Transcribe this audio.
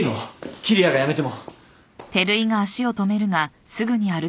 桐矢が辞めても。